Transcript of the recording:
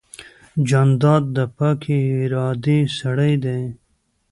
جانداد د پاکې ارادې سړی دی.